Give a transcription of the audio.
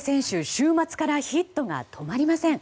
週末からヒットが止まりません。